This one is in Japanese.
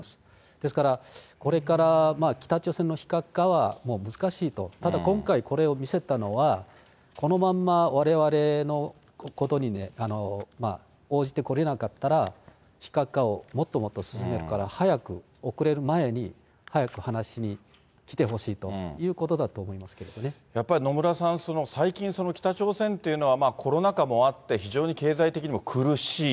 ですから、これから北朝鮮の非核化は、もう難しいと、ただ今回、これを見せたのは、このまんまわれわれのことに応じてこれなかったら、非核化をもっともっと進めるから、早く、後れる前に早く話しに来てほしいということだと思いますけれどもやっぱり野村さん、最近、北朝鮮というのはコロナ禍もあって、非常に経済的にも苦しい。